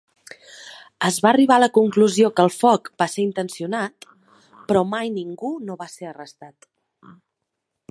Es va arribar a la conclusió que el foc va ser intencionat, però mai ningú no va ser arrestat.